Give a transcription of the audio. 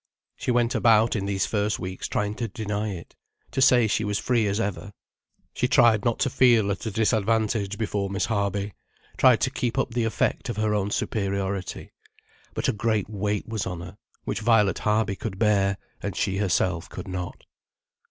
She went about in these first weeks trying to deny it, to say she was free as ever. She tried not to feel at a disadvantage before Miss Harby, tried to keep up the effect of her own superiority. But a great weight was on her, which Violet Harby could bear, and she herself could not.